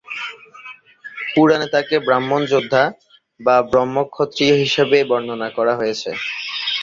পুরাণে তাকে ব্রাহ্মণ যোদ্ধা বা ব্রহ্মক্ষত্রীয় হিসেবে বর্ণনা করা হয়েছে।